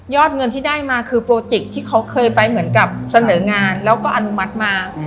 เงินที่ได้มาคือโปรติกที่เขาเคยไปเหมือนกับเสนองานแล้วก็อนุมัติมา